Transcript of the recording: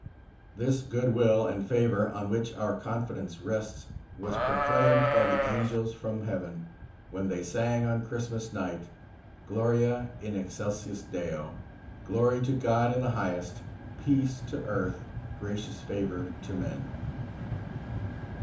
This good will and favor, on which our confidence rests, was proclaimed by the angels from heaven, when they sang on Christmas night: "Gloria in excelsis Deo, Glory to God in the highest, peace to earth, gracious favor to man."